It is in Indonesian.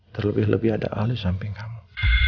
terlebih lebih ada ahli samping kamu